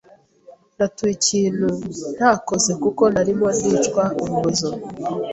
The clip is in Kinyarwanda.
Natuye ikintu ntakoze kuko narimo ndicwa urubozo.